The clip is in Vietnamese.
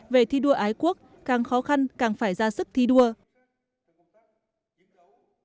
về thi đua ái quốc càng khó khăn càng phải ra sức thi đua